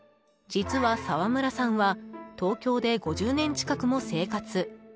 実は、澤村さんは東京で５０年近くも生活。